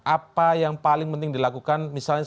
apa yang paling penting dilakukan misalnya